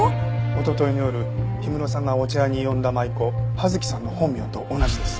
おとといの夜氷室さんがお茶屋に呼んだ舞妓葉月さんの本名と同じです。